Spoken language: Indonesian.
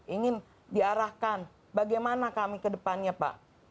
ingin diarahkan bagaimana kami ke depannya pak